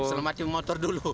selamatkan motor dulu